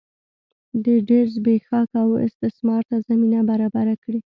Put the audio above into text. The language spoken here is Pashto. د ډېر زبېښاک او استثمار ته زمینه برابره کړي.